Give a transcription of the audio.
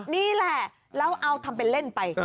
นี่แหละแล้วเอาทำเป็นเล่นไป